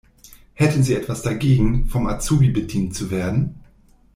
Hätten Sie etwas dagegen, vom Azubi bedient zu werden?